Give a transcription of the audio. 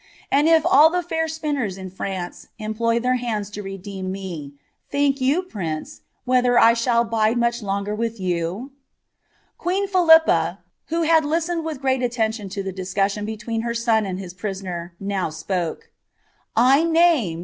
And if all ihr fair spinners m France employ their hands lo redeem me, think you. pniir.n, whether I shall bide much longer with you f" Queen Phillppa, who had listened wiili great attention to the diecus Uon fietween her son and his prisoner, now spoke '—" I name."